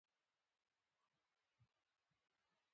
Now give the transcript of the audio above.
ښايسته ، ښارو ، ښکلا ، ښاپيرۍ ، غونډۍ ، غورځکه ،